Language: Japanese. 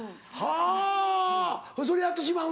はぁそれやってしまうんだ。